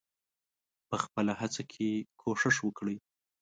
په خپله هڅه کې کوښښ وکړئ.